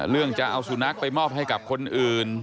จะเอาสุนัขไปมอบให้กับคนอื่น